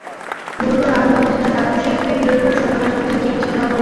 গুরুতর আহত অবস্থায় বাচ্চু শেখকে পিরোজপুর সদর হাসপাতালে চিকিৎসা দেওয়া হয়েছে।